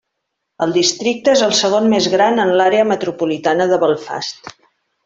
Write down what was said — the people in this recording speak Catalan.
El districte és el segon més gran en l'Àrea Metropolitana de Belfast.